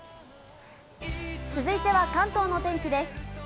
続いては関東のお天気です。